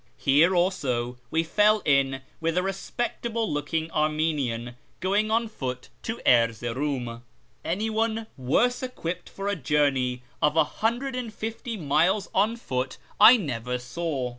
Here also we fell in with a respectable looking Armenian going on foot to Erzeroum. Anyone worse equipped for a journey of 150 miles on foot I never saw.